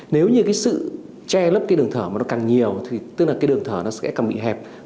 nếu như sự che lớp đường thở càng nhiều tức là đường thở sẽ càng bị hẹp